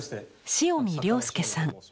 塩見亮介さん。